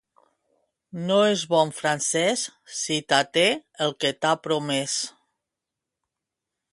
No és bon francès si t'até el que t'ha promès.